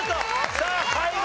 さあ最後！